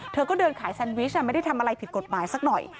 เธอก็เดินขายแซนวิชไม่ได้ทำอะไรผิดกฎหมายสักหน่อย